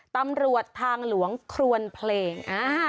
ตำรวจทางหลวงครวนเพลง